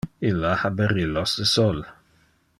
Illa ha berillos de sol.